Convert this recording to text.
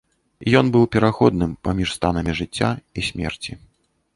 Ён быў пераходным паміж станамі жыцця і смерці.